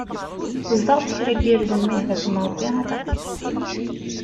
Ezḍ-aɣ-d kra n yirden ma yehda-kem Rebbi a taqcict.